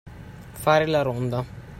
Fare la ronda.